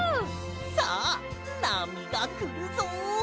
さあなみがくるぞ！